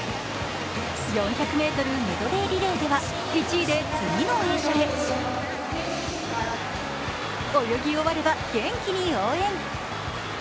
４００ｍメドレーリレーでは、１位で次の泳者へ、泳ぎ終われば元気に応援。